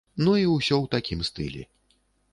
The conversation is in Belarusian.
Ну, і ўсё ў такім стылі.